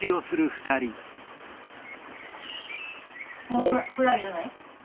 もうフライ要らない？